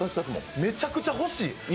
めちゃくちゃ欲しい。